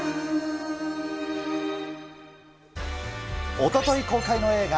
おととい公開の映画